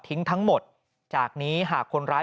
ปี๖๕วันเช่นเดียวกัน